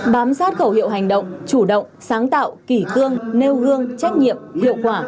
bám sát khẩu hiệu hành động chủ động sáng tạo kỷ cương nêu gương trách nhiệm hiệu quả